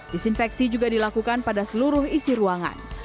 disinfeksi juga dilakukan pada seluruh isi ruangan